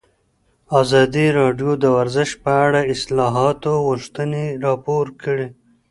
ازادي راډیو د ورزش په اړه د اصلاحاتو غوښتنې راپور کړې.